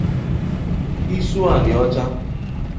Isuanịọcha